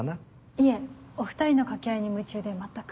いえお２人の掛け合いに夢中で全く。